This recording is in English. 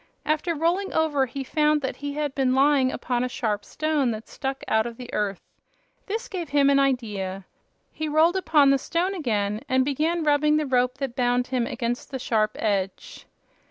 After rolling over he found that he had been lying upon a sharp stone that stuck out of the earth. This gave him an idea. He rolled upon the stone again and began rubbing the rope that bound him against the sharp edge.